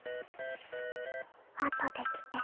あとで来て。